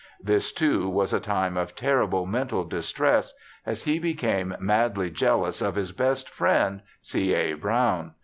This, too, was a time of terrible mental distress, as he became madly jealous of his best friend, C. A. Brown.